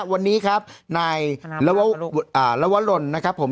วันนี้ครับในละวะลลนนะครับผม